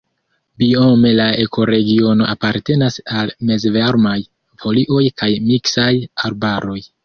Biome la ekoregiono apartenas al mezvarmaj foliaj kaj miksaj arbaroj.